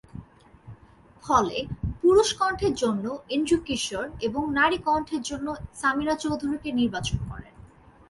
ফলে পুরুষ কণ্ঠের জন্য এন্ড্রু কিশোর এবং নারী কণ্ঠের জন্য সামিনা চৌধুরীকে নির্বাচন করেন।